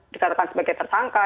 dikatakan sebagai tersangka